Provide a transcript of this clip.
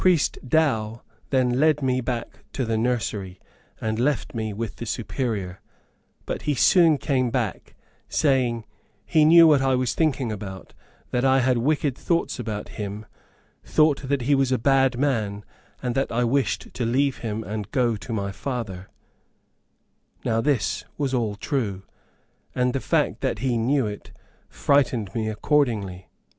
Priest Dow then led me back to the nursery, and left me with the Superior. But he soon came, back, saying he "knew what I was thinking about; that I had wicked thoughts about him; thought he was a bad man, and that I wished to leave him and go to my father;" Now this was all true, and the fact that he knew it, frightened me accordingly.